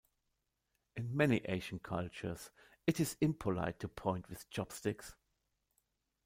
In many Asian cultures, it is impolite to point with chopsticks.